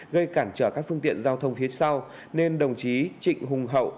gây cản trở các phương tiện giao thông phía sau nên đồng chí trịnh hùng hậu